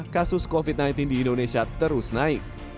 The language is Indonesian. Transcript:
kasus covid sembilan belas di indonesia terus naik